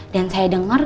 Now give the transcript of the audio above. dan saya denger